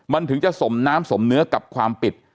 มันถึงจะสมน้ำสมเนื้อกับความปิด